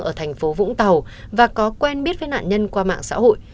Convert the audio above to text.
ở tp hcm và có quen biết với nạn nhân qua mạng xã hội